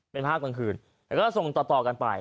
เป็นภาพกลางคืนแล้วก็ส่งต่อกันไป